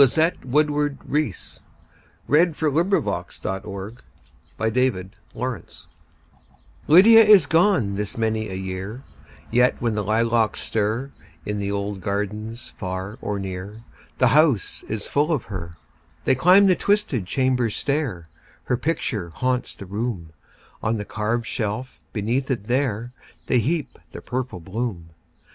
Lizette Woodworth Reese Lydia is gone this many a year LYDIA is gone this many a year, Yet when the lilacs stir, In the old gardens far or near, The house is full of her. They climb the twisted chamber stair; Her picture haunts the room; On the carved shelf beneath it there, They heap the purple bloom.